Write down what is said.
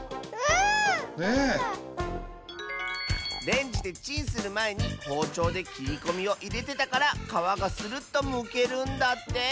レンジでチンするまえにほうちょうできりこみをいれてたからかわがスルッとむけるんだって。